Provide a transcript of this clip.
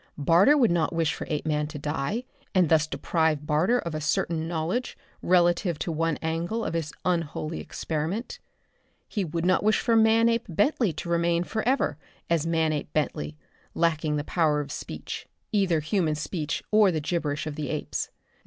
Barter would not wish for Apeman to die, and thus deprive Barter of a certain knowledge relative to one angle of his unholy experiment. He would not wish for Manape Bentley to remain forever as Manape Bentley, lacking the power of speech, either human speech or the gibberish of the apes.